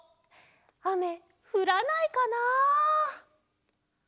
あめふらないかなあ？